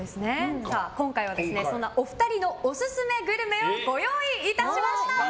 今回はそんなお二人のオススメグルメをご用意いたしました！